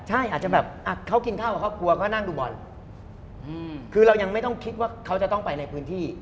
ใช่อาจจะแบบเขากินข้าวกับครอบครัวก็นั่งดูบอลคือเรายังไม่ต้องคิดว่าเขาจะต้องไปในพื้นที่